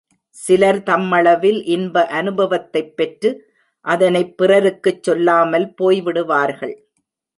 சிலர் தம்மளவில் இன்ப அநுபவத்தைப் பெற்று, அதனைப் பிறருக்குச் சொல்லாமல் போய்விடுவார்கள்.